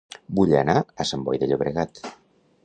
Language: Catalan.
Vull anar a Sant Boi de Llobregat